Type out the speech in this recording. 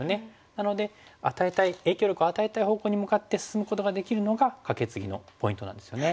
なので与えたい影響力を与えたい方向に向かって進むことができるのがカケツギのポイントなんですよね。